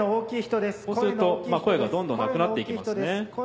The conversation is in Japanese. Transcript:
こうすると声がどんどんなくなって行きますね。